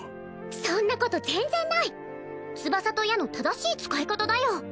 そんなこと全然ない翼と矢の正しい使い方だよ